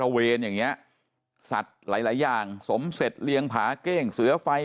ระเวนอย่างนี้สัตว์หลายอย่างสมเสร็จเลี้ยงผาเก้งเสือไฟ